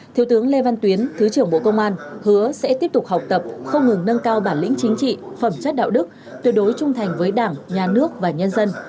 thiếu tướng lê văn tuyến thứ trưởng bộ công an hứa sẽ tiếp tục học tập không ngừng nâng cao bản lĩnh chính trị phẩm chất đạo đức tuyệt đối trung thành với đảng nhà nước và nhân dân